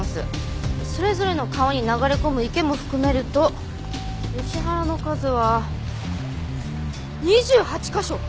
それぞれの川に流れ込む池も含めるとヨシ原の数は２８カ所！？